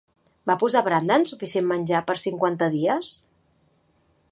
Va posar Brandan suficient menjar per a cinquanta dies?